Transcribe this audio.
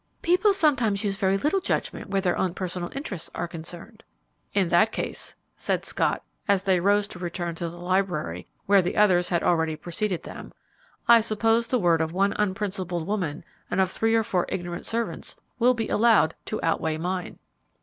"People sometimes use very little judgment where their own personal interests are concerned." "In that case," said Scott, as they rose to return to the library, where the others had already preceded them, "I suppose the word of one unprincipled woman and of three or four ignorant servants will be allowed to outweigh mine."